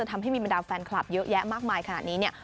ที่มีบรรดาแฟนคลับเยอะแยะมากมายขนาดนี้